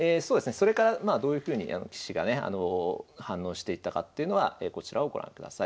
それからどういうふうに棋士がね反応していったかというのはこちらをご覧ください。